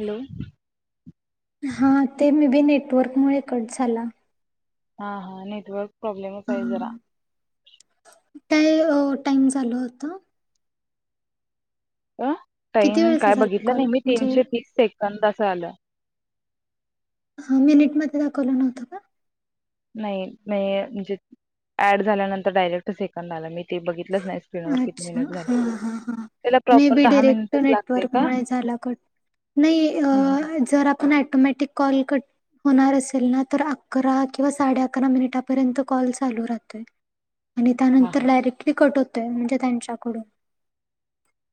Hello हा ते मध्ये नेटवर्क मुळे कट झाला. हा हा नेटवर्क प्रॉब्लेमच हाय जरा. किती अ टाइम झाल होत. अ किती टाईम वेळेचा काय झाला बघितलं कॉल? नाही मी म्हणजे तीनशे तीस सेकंद असं आलं. ह मिनिटमध्ये दाखवलं नव्हतं का. नाही नाई म म्हणजे ऍड झाल्यानंतर डायरेक्ट सेकंद आला मी ते बघितलंच नाही स्क्रीनवर किती अच्छा. मिनिट झाले. हां, हां, हां. त्याला मे प्रॉपर बी दहा डिरेक्ट मिनिटच लागतय का. नेटवर्कमुळे झाला कट. हा नाही जर पण टोमॅटिक कॉल कट हूणार असेल ना तर अकरा किंवा साडे अकरा मिनिटापर्यंत कॉल चालू राहतोय. आणि त्यानंतर डायरेक्टली कट होतोय म्हणजे त्यांच्याकडून.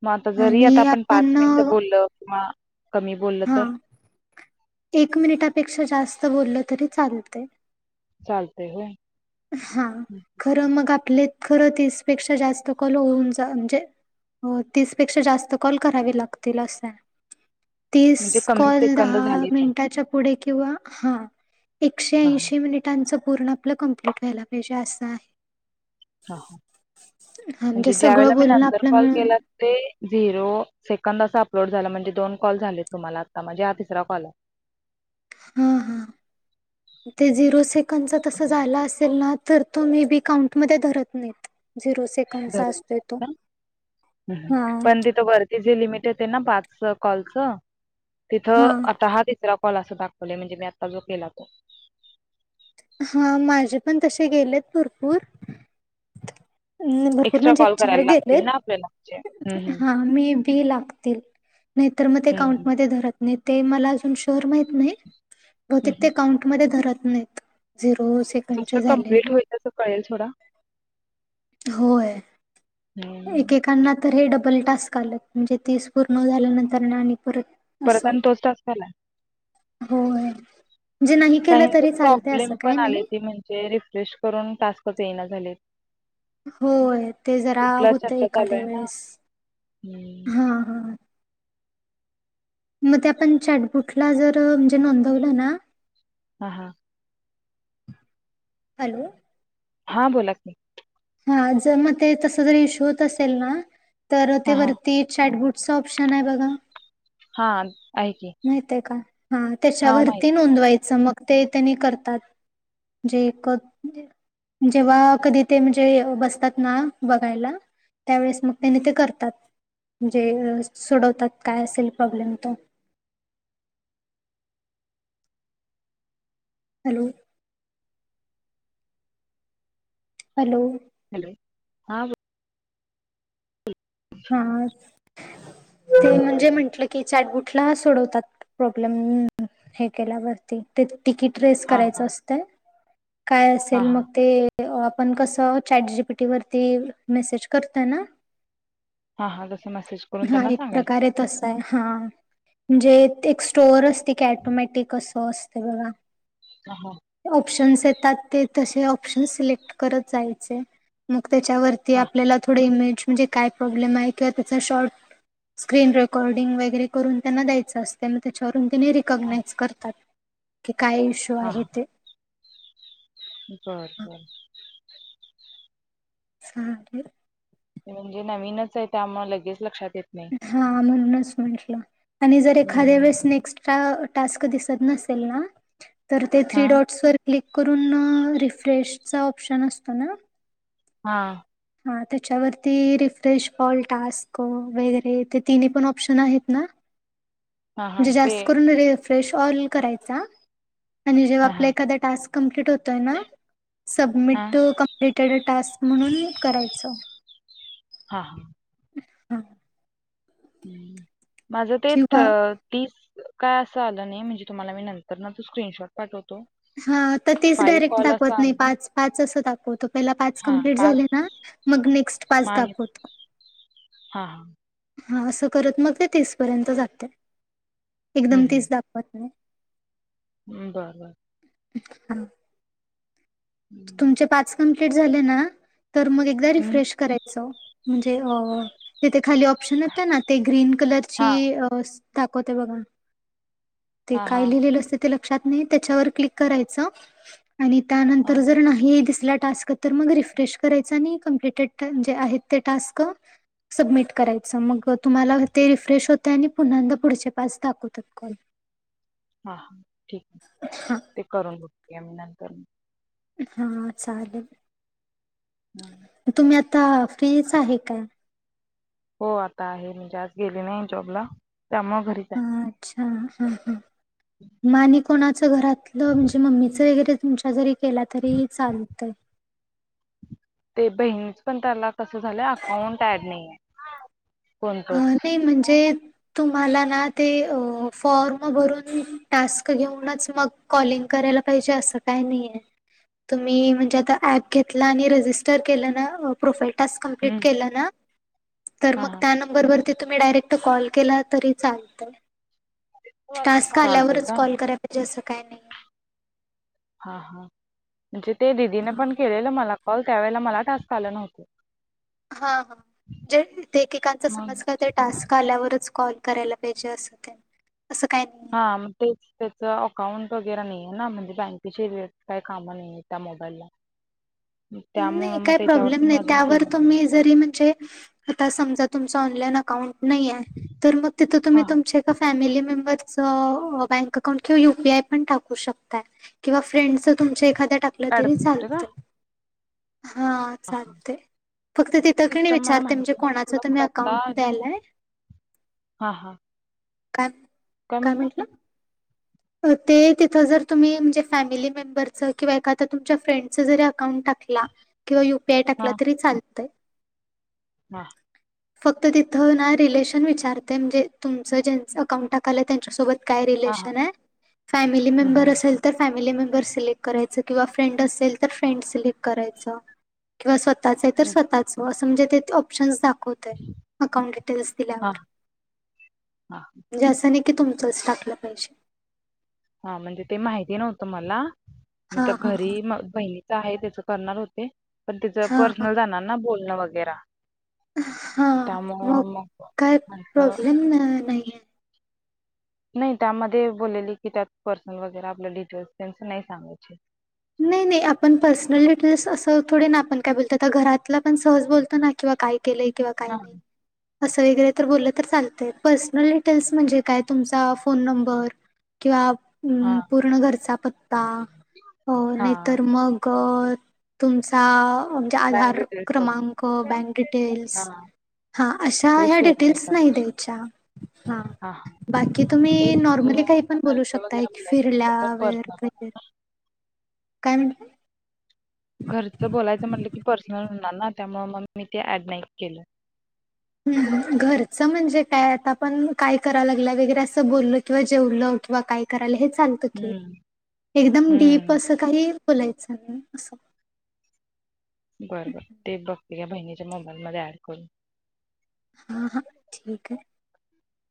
मग आता जरी आणि आता आपण पाच अ, मिनिटं बोलल किंवा कमी बोललं तर, एक मिनिटापेक्षा जास्त बोललं तरी चालतय. चालतय होय हा ख र मग आपले खरं तसपेक्षा जास्त कॉल होऊन जा म्हणजे हो तीसपेक्षा जास्त कॉल करावी लागतील असं हाय. तस म्हणजे कमी कॉल सेकंद दहा झाले तर याच्या पुढे किंवा, हा एकशे हा एंशी मिनिट त्यांचं पूर्ण आपलं कंप्लीट व्हायला पाहिजे असं आहे. हा हा हा म्हणजे ज्या वेळेला सगळं मी बोलणं नंतर आपलं कॉल मिळून केला. ते झिरो सेकंद असं अपलोड झालं म्हणजे दोन कॉल झाले तुम्हाला आता म्हणजे हा तिसरा कॉल हाय. हम् हम् ते झिरो सेकंडचा तस झाला असेल ना तर तो मे बी काउंटमध्ये धरत नाहीत. झिरोच, बर पण, हा पण तिथं व्हरति. ते जे लिमिट ते ना पाच कॉलचं तिथं हा. आता हा तिसरा कॉल असा दाखत व्हलय हणजे मी आता जो केला तो. हा माझे पण तसे गेलेत भरपूर. भरपूर एक्स्ट्रा म्हणजे एक कॉल चार करायला लागतील गेलेत ना आपल्याला म्हणजे हम्म, हम्म, हा मी ते लागतील, नाही तर मग ते हम्म, काउन्ट मध्ये धरत नाही ते मला आजुन शी कर माहीत नाय. बहुतेक हम्म, हम्म. ते काउंडत मध्ये धरत नाहीत, जसं सेकंडचे झालेले. कंप्लीट होईल तसं कळेल थोडा. होय हम्म. एकेकांना तरी हे डबल टास्क आलं म्हणजे तेच पूर्ण झाल्यानंतर ना. आणि परत परत असं. आणि तोच त्वस्क असला होय म्हजे जे नाही केलं काहींचे तरी चालत असं प्रॉब्लेम पण काय आले नाही. म्हणजे ते रिफ्रेश करून टास्कच कच येईना झालेत. होय ते जरा होत चर्चा चालू एखाद्या आहे ना वेळेस हम्म. हा हा. मग ते आपण ॅटबुटला जर म्हणजे नोंदवलं ना. हा हां हॅलो हा बोलात मी हा जर मग ते तस जर इशू होत असेल ना तर ते हां, हां. वरती चॅटबुट ऑप्शन आहे बघा. हा माहितय का हा हां, त्याच्यावररती माहिती. नोंदवायचं मग ते त्यांनी करतात. जे एक जेव्हा कधी ते म्हणजे बसतात ना बघायला. त्यावेळेस मग त्याने ते करतात म्हणजे सोडवतात काय असेल प्रॉब्लेम तो हॅलो हॅलो हॅलो हा हम ते म्हणजे म्हंटलं की चाटबुटला सोडवतात प्रॉब्लेम. हे केल्यावरती ते तिकीट रेस हां, करायचं हां. असतंय काय हां, असेल मग हां. ते ते आपण कसं चॅट जी पीटीवररती मेसेज करतोय ना हा हा तस मेसेज करून हा त्यांना एक सांगायचं. प्रकारे तस आहे हा म्हणजे एक स्टोअर अस. क टोमॅटिक असं असते बघा. ह ह ऑप्शन्स येतात ते तसे ऑप्शन्स सिलेक्ट करत जायचे मग त्याच्यावर ते हां, आपल्याला थोडं इमेज म्हणजे काय प्रॉब्लेम आहे किंवा त्याचा शॉर्ट स्क्रीन रेकॉर्डिंग वगैरे करून त्यांना द्यायचं असत. त्यामुळे त्याच्यावरून तने हां. रिकग्नाइज करतात की काय इश्यू हां, आहे हां. ते बरं हा, बरं झाले. ते म्हणजे नवीनच आहे त्यामु लगेच लक्षात येत. नाही. हा म्हणूनच म्हंटलं आणि जर एखाद्या हं. वेळेस नेक्स्ट टास्क दिसत नसतील ना, तर ते तिरी हां, डॉडवर क्लिक करून रिफ्रेशचा ऑप्शन असतो ना. हा हा त्याच्यावरती रिफ्रेश पॉल्टस्क वगैरे ते तिन्ही पण ऑप्शन आहेत ना. हां, हां. म्हणजे ते जास्त करून रेफ्रेश ऑइल करायचा. आणि जेव्हा हां, आपला हां. एखाद्या टास्क कंप्लीट होतोय ना. हां, सबमिट कम्प्लिटेड टास्क म्हणून करायचं. हा हा हा ह् माझं ते किंवा तीच काय असं आलं नाही म्हणजे तुम्हाला मी नंतर ना तो स्क्रीनशॉट पाठवतो. हा तर तेच डायरेक्ट कॉल असं दाखवत नाही आलं पाच पाच असं दाखवतो. पाच हां, कंप्लीट झाले ना मग नेक्स्ट पाच दाखवत. हा हा हा असं करत मग ते तीस पर्यंत जात एकदम तीस दाखवत नाही. ह्म बर बर हा हं. तुमचे पाच कमप्लीट झाले ना तर मग एकदा हं. रिफ्रेश करायचं. म्हणजे अ तिथे खाली ऑप्शन येत ना ते ग्रीन कलरची हां. दाखवते बघा ते हां, काय हां. लिहिलेलं असते त्यािला [unintelligible] त्याच्या वर क्लिक करायचं आणि त्यानंतर हां, जर नाही दिसला टास्क तर तर मग रिफ्रेश करायचा आणि कमप्लीटेड जे आहेत ते टास्क सबमिट करायचं मग तुम्हाला ते रिफ्रेश होते आणि पुन्हांददा पुढचे टास्क दाखवत हो कॉल हा हा ठीक आहे हा ते करून बघतो यानंतर हा हा चाललं हम् तुम्ही आता फ्रीच आहे का? हो आता आहे म्हणजे आज गेले नाही जॉबला त्यामुळे घरीच आहे. अच्छा हा हा मा आणि कोणाचं घरातलं म्हणजे मम्मीचं वगैरे तुमच्या जरी केला तरीही चालतय ते बहीणच पण त्याला कस झालं अकाउंट ऍड नाही आहे अ कोणतंच. ते म्हणजे तुम्हाला ना ते फॉर्म भरून टास्क घेऊनच मग कॉलिंग करायला पाहिजे असं काय नाहीय तुम्ही म्हणजे आता ऍप घेतला आणि रजिस्टर केलं ना प्रोफाइल टास्क कंप्लीट हं. केलं ना तर हां, मग हां. त्या नंबर वरती तुम्ही डायरेक्ट कॉल केला तरी चालतंय टास्क चालतंय आल्यावरच का? कॉल करायला पाहिजे असं काय नाही हा हा म्हणजे ते दिदीने पण केलेलं मला कॉल त्या वेळेला मला टास्क आलं नव्हत. हा हा जे ते एकेकांचा मग समज काय होतय टास्क आल्यावरच कॉल. करायला पाहिजे अस असं काही नाही. हा मग तेच त्याच अकाउंट वगैरे नाही आहेे ना म्हणजे बँकेची काही कामं नाहीे त्या मोबाईलला. त्यामुळं नाही मग काही प्रॉब्लेम त्याच्यावरती मी नाही अजून त्यावर केलं नाही. तुम्ही ज जरी म्हणजे आता समजा तुमचं ऑनलाईन अकाउंट नाहीय तरं मगं तिथं हां, हां. तुमचं फॅमिली मेंबरस बँक अकाउंट किंवा यु पी आय पण टाकू शकतात किंवा फ्रेंड तुमच्या एखाद्या टाकलं ऍड तरी करते का? चालत हा चालतय फक्त तिथं की नाही सिस्टम मला विचारते म्हणजे माहिती नव्हती कोणाच थोडा कुठ तुम्ही आता अकाउंट द्यायलाय हा हा काय काय म्हटला ते तिथं जर तुम्ही म्हणजे फॅमिली मेंबरचं किंवा एखाद्या तुमच्या फ्रेंडचं जरी अकाउंट टाकला किंवा युपीआय टाकला हा तरी चालतय हा फक्त तिथं ना रिलेशन विचारते म्हणजे तुमचं ज्यांच अकाउंट टाकालंय त्यांच्यासोबत. काय हा हा relation family hmm member hmm. असेल, तर फॅमिली मेंबर्स सिलेक्ट करायच किंवा फ्रेंड असेल तर फ्रेंड सिलेक्ट करायचं. किंवा स्वतःच आहे तर स्वतःच असं म्हणजे तिथं ऑपशन दाखवत होतय अकाउंट डिटेल्स हा दिल्यावर, हा म्हणजे असं नाही. की तुमचंच टाकलं पाहिजे. हा म्हणजे ते माहिती नव्हतं मला मग हा त्या हा घरी हा मगं बहिणी आहे त्याच करणार होते पण तिच हा हा पर्सनल जाणार ना बोलणं वगैरे. हा मग त्यामुळं मगं काय म्हंटल. प्रॉब्लेम नाहीये. नाही त्यामध्ये बोललेली की त्यात पर्सनल वगैरे आपलं डिटेल्स त्यांच नाही सांगायचे. नाही नाही आपण पर्सनल डिटेल्स असं थोडे ना आपण काय बोलतो आता घरातला पण सहज बोलतो ना किंवा काही केलंय किंवा काही हा नाही. असं वगैरे तर बोललं तर चालतं पर्सनल डिटेल्स म्हणजे काय तुमचा फोन नंबर. किंवा हा पूर्ण घरचा पत्ता. हो नाही हा तर मग तुमचा म्हणजे बँक आधार डिटेल्स क्रमांक, वगैरे बँक डिटेल्स हा हा अशा हे ह्या शेअर डिटेल्स नाही करायचे द्यायच्या. हा बाकी तुम्ही तेच म्हणजे नॉर्मली काही आता पण बोलू घरचं शकताय वगैरे बोलायचं फिरल्या म्हटलं तर वर. पर्सनल काय म्हंटला? घरचं बोलायचं म्हटलं की पर्सनल होणार ना त्यामुळे मग मी ते ऍड नाही केलं. घरचं म्हणजे काय आता आपण काय कराव लागलंय वगैरे असं बोलल किंवा जेवलं किंवा काय. करायला हे चालतंय कि हम्म एकदम डीप हम्म असं काही बोलायचं नाही असं बरं बरं ते बघते या बहिणीच्या मोबाईलमध्ये ऍड करून. हा हा ठीक आहे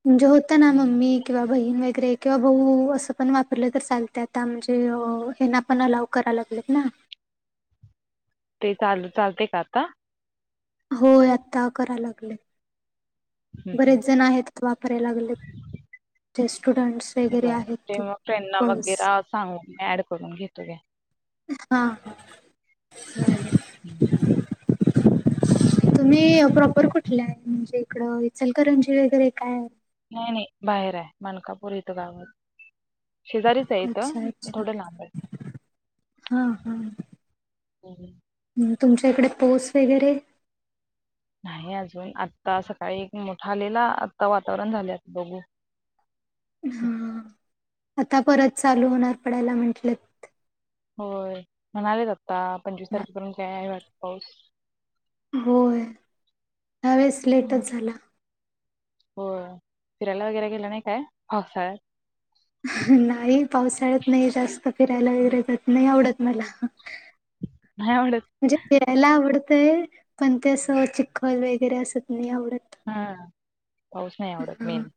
म्हणजे होत ना हम्म. मम्मी किंवा बहीण वगैरे. किंवा भाऊ असं पण वापरलं तर चालते आता म्हणजे हना पण अलाव कराय लागलेत ना. ते चालू चालते का आता? होय आता कराय लागलेत. हम्म, बरेच हम्म. जण आहेत वापरायला लागलेत. जे स्टुडंट्स वगैरे बरं आहेत ते मग फ्रेंडना बॉईज. वगैरे सांगून मी ऍड करून घेतो की. हा हा हम्म. तुम्ही प्रॉपर कुठले आहे म्हणजे इकडं? इचलकरंजी वगैरे काय नाही नाही बाहेर आहे मलकापूर इथं गाव आहे. शेजारीचंआहे अच्छा इथं अच्छा थोडं लांब आहे. हां हां हो तुमच्या इकडे पाऊस वगैरे? नाही अजून आत्ता सकाळी मोठा आलेला आता वातावरण झाले आता बघू. हा आता परत चालू होणार पडायला म्हटलं. होय म्हणालेत आता पंचवीस तारखेपर्यंत काय आहे वाटतं पाऊस. होय हयावेळेवस हम्म. लेटच झाला. होय फिरायला वगैरे गेला नाही का पावसाळ्यात? नाही पावसाळ्यात नाही जास्त फिरायला वगैरे नाही आवडत मला. नाही आवडत म्हणजे फिरायला आवडतय पण तेसं चिखल वगैरे असं नाही आवडत. हा पाऊस नाही आवडत हां. मेन.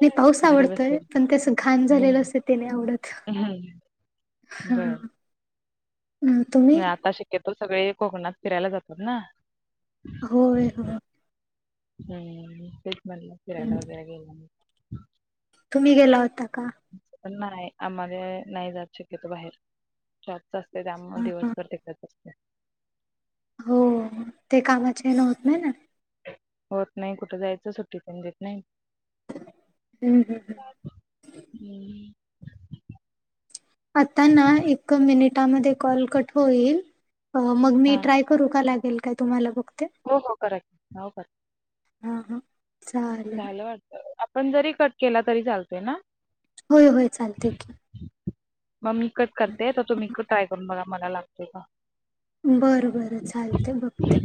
नाही पाऊस घरी बसले आवडतोय पण ते असं घाण झालेलं असत ते नाही आवडत. हम्म हा बर आता शक्यतो सगळे कोकणात फिरायला जातात ना. होय हम्म तेच मनल फिरायला हं. वगैरे गेला तुम्ही गेला होता का? पण नाही आम्हाला नाही जात शक्यतो बाहेर शॉपस असतंय त्यामुळे हां हां दिवसभर तीतच असतोय. हो ते कामाचे हन होत नाही ना. होत नाही कुठं जायचं सुट्टीपण देत नाही. हम्म हम्म हम्म. हम्म, आता ना एक मिनिटामध्ये कॉल कट होईल मग मी हा ट्राय करू का लागेल काय तुम्हाला बघते हो हो करा की हो करा हा हा झालं वाटतं आपण जरी कट केला तरी चालतोय ना. होय होय चालतय की. मग मी कट करते तर तुमी ट्राय करून बघा मला लागतोय का? बरं बरं, चालतय,, बघते.